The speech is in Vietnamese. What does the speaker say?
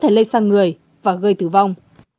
những nội nghiệp của trung ương và địa phương